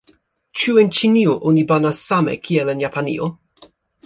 Ĉu en Ĉinio oni banas same kiel en Japanio?